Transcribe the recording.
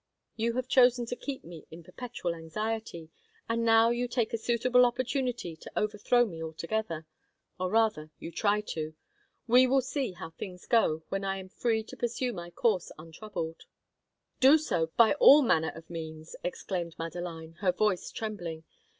You have chosen to keep me in perpetual anxiety, and now you take a suitable opportunity to overthrow me altogether; or rather, you try to. We will see how things go when I am free to pursue my course untroubled." "Do so, by all manner of means!" exclaimed Madeline, her voice trembling.